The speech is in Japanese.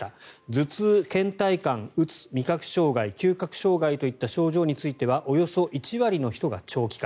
頭痛、けん怠感、うつ味覚障害、嗅覚障害といった症状についてはおよそ１割の人が長期化。